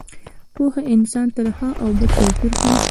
پوهه انسان ته د ښه او بد توپیر ښيي.